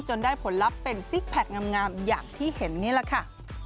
ได้ผลลัพธ์เป็นซิกแพคงามอย่างที่เห็นนี่แหละค่ะ